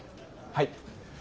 はい。